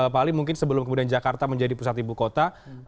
paling mungkin sebelum kemudian jakarta menjadi pusat ibu kota